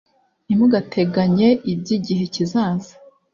ntimugateganye iby igihe kizaza